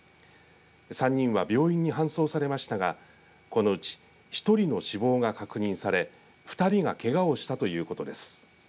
３人は病院に搬送されましたがこのうち１人の死亡が確認され２人がけがをしたということです。